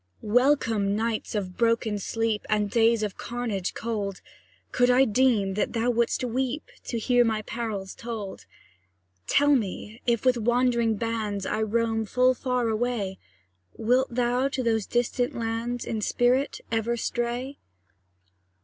Welcome nights of broken sleep, And days of carnage cold, Could I deem that thou wouldst weep To hear my perils told. Tell me, if with wandering bands I roam full far away, Wilt thou to those distant lands In spirit ever stray?